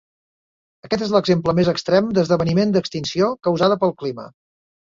Aquest és l'exemple més extrem d'esdeveniment d'extinció causada pel clima.